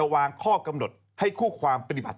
บอกว่า